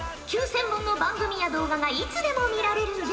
９，０００本の番組や動画がいつでも見られるんじゃ。